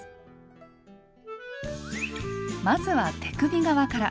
まずは手首側から。